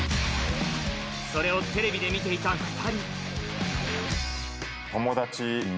それをテレビで見ていた２人。